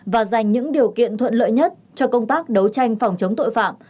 và dành những điều kiện thuận lợi nhất cho công tác đấu tranh phòng chống tội phạm